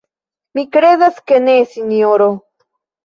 Mi kredas ke ne, sinjoro.